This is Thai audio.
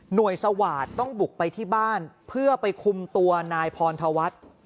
สวาสตร์ต้องบุกไปที่บ้านเพื่อไปคุมตัวนายพรธวัฒน์